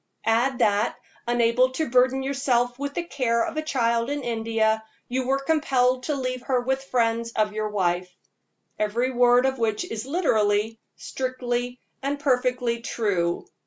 Add that, unable to burden yourself with the care of a child in India, you were compelled to leave her with friends of your wife every word of which is literally, strictly, and perfectly true.